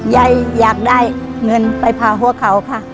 ยายอยากได้เงินไปพาหัวเขาค่ะ